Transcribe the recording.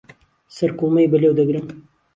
سهرکوڵمهی به لێو دهگرم